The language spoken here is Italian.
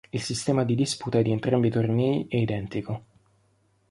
Il sistema di disputa di entrambi i tornei è identico.